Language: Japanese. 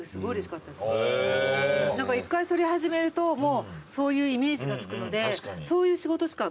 １回それ始めるともうそういうイメージが付くのでそういう仕事しか。